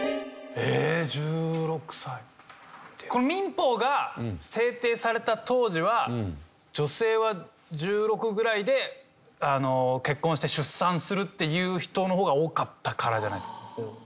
民法が制定された当時は女性は１６ぐらいで結婚して出産するっていう人の方が多かったからじゃないですか？